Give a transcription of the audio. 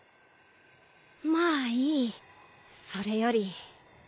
まあいいそれより。